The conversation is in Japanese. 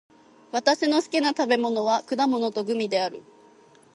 私の好きな食べ物は果物とグミである。